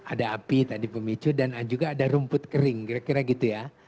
ada api tadi pemicu dan juga ada rumput kering kira kira gitu ya